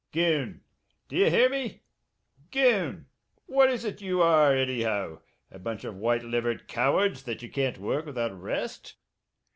"Goon! D'ye hear me? Goon! What is it ye are, annyhow, a bunch of white livered cowards that ye can't work without rest?"